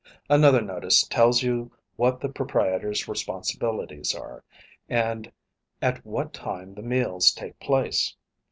Another notice tells you what the proprietor's responsibilities are, and at what time the meals take place.